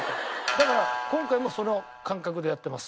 だから今回もその感覚でやってます。